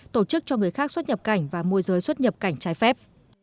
tổ chức cho người khác xuất nhập cảnh và môi giới xuất nhập cảnh trái phép